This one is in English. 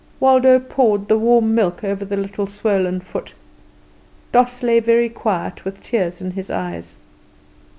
Waldo poured the warm milk over the little swollen foot; Doss lay very quiet, with tears in his eyes.